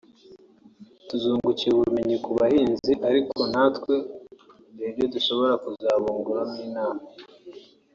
tuzungukira ubumenyi ku bahinzi ariko natwe hari ibyo dushobora kuzabunguramo inama